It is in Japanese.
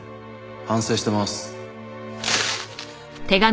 「反省しています」